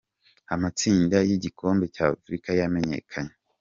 Amatsinda yigikombe cya afurica yamenyekanye